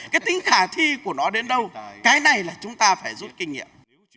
cái này là chúng ta phải rút kinh nghiệm